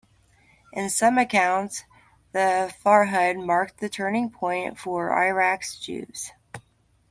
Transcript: In some accounts the "Farhud" marked the turning point for Iraq's Jews.